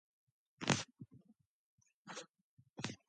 She was nominated to the seat on the vacated by Stuart Gordon Nash.